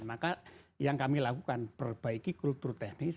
maka yang kami lakukan perbaiki kultur teknis